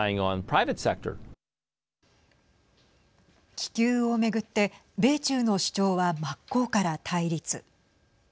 気球を巡って米中の主張は真っ向から対立。